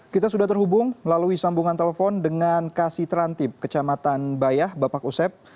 kita sudah terhubung melalui sambungan telepon dengan kasih terantip kecamatan bayah bapak kusep